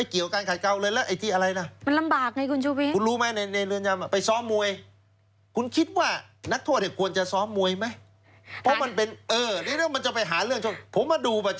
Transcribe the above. ก็วิเคราะห์ได้ว่าเห็นของจริงนะครับ